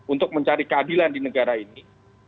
untuk mencari keadilan di negara ini